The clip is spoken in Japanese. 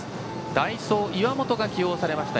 代走、岩本が起用されました。